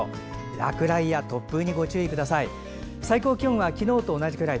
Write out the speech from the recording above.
落雷や突風にご注意ください。